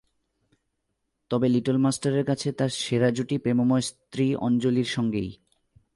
তবে লিটল মাস্টারের কাছে তাঁর সেরা জুটি প্রেমময় স্ত্রী অঞ্জলির সঙ্গেই।